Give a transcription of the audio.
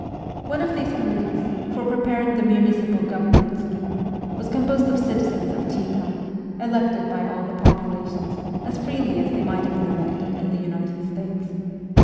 One 200 of these committees, for preparing the municipal government scheme, was composed of citizens of Chita, elected by all the population, as freely as they might have been elected in the United States.